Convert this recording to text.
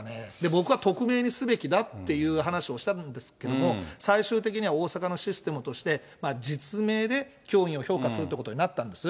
僕は匿名にすべきだっていう話をしたんですけども、最終的には大阪のシステムとして、実名で教員を評価するということになったんです。